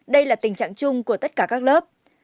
đây là tình trạng chung của tất cả các lớp